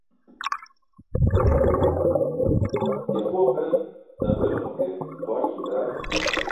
Yaxu apel daa beluma ke quwar cum be ar